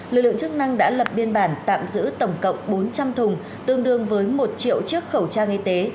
lực lượng chức năng đã lập biên bản tạm giữ tổng cộng bốn trăm linh thùng tương đương với một triệu chiếc khẩu trang y tế